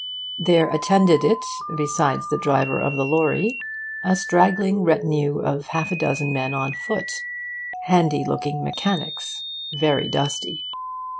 There attended it, besides the driver of the lorry, a straggling retinue of half a dozen men on foot handy looking mechanics, very dusty.